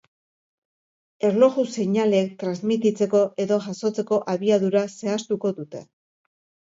Erloju-seinaleek transmititzeko edo jasotzeko abiadura zehaztuko dute.